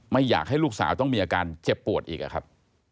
ไม่อยากให้ลูกสาวต้องมีอาการเจ็บปวดอีกอะครับ